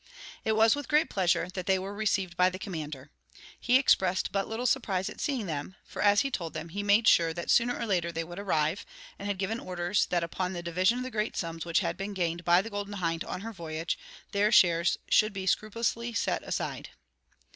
It was with great pleasure that they were received by the commander. He expressed but little surprise at seeing them; for, as he told them, he made sure that sooner or later they would arrive, and had given orders that, upon the division of the great sums which had been gained by the Golden Hind on her voyage, their shares should be scrupulously set aside.